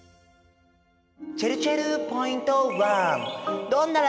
ちぇるちぇるポイント１。